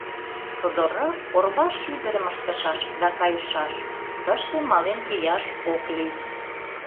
Содоррак орвашӱдырым ыштышаш да кайышаш: тыште мален кияш ок лий...